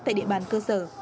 tại địa bàn cơ sở